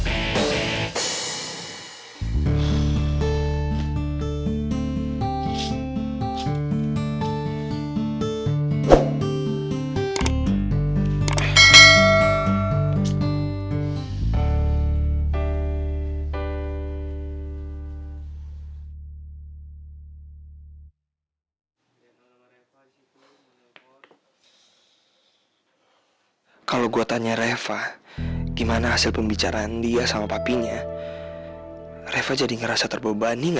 aku kasih coming back